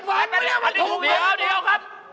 โพรอยไม่ไม่บอก